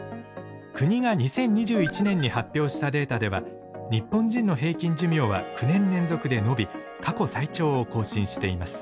国が２０２１年に発表したデータでは日本人の平均寿命は９年連続で延び過去最長を更新しています。